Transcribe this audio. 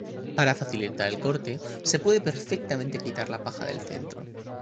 Para facilitar el corte, se puede perfectamente quitar la paja del centro.